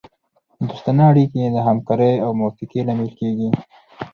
دوستانه اړیکې د همکارۍ او موافقې لامل کیږي